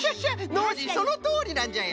ノージーそのとおりなんじゃよ。